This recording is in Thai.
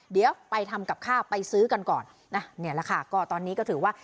เดี๋ยวไปทำกับข้าวไปซื้อกันก่อนนะนี่แหละค่ะก็ตอนนี้ก็ถือว่า